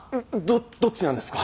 どどっちなんですか？